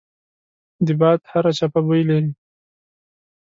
د باد هره چپه بوی لري